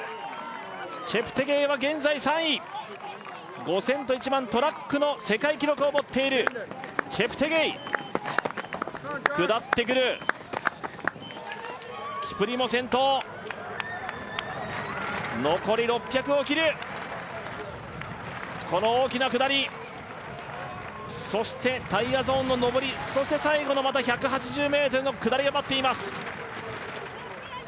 チェプテゲイは現在３位５０００と１００００トラックの世界記録を持っているチェプテゲイ下ってくるキプリモ先頭残り６００を切るこの大きな下りそしてタイヤゾーンの上りそして最後のまた１８０ｍの下りが待っています